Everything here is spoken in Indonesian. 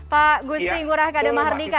pak gusti ngurah kadema hardika